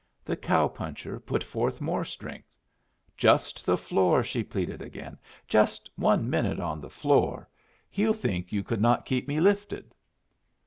The cow puncher put forth more strength. "Just the floor," she pleaded again. "Just one minute on the floor. He'll think you could not keep me lifted."